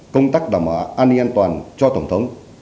công tác đảm bảo an ninh an toàn cho tổng thống